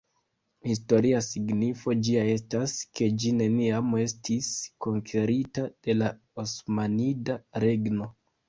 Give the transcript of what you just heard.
Historia signifo ĝia estas, ke ĝi neniam estis konkerita de la Osmanida Regno.